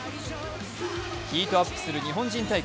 ヒートアップする日本人対決。